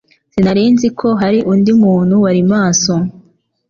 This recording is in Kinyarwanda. Sinari nzi ko hari undi muntu wari maso.